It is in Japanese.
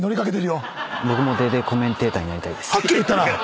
はっきり言ったな！